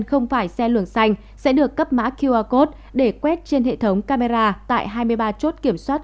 không phải xe luồng xanh sẽ được cấp mã qr code để quét trên hệ thống camera tại hai mươi ba chốt kiểm soát